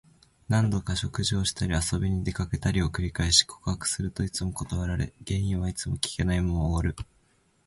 何度か食事をしたり、遊びに出かけたりを繰り返し、告白するといつも断られ、原因はいつも聞けないまま終わる。